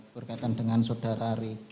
berkaitan dengan saudara ricky